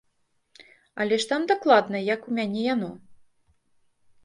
Але ж там дакладна як у мяне яно!